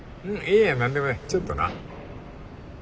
いいや何でもないちょっとな。